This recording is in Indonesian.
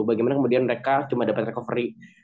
bagaimana kemudian mereka cuma dapat recovery